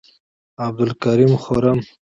عبدالکریم خرم،